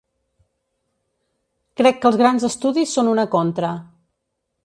Crec que els grans estudis són una contra.